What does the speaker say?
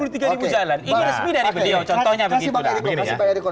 ini resmi dari beliau contohnya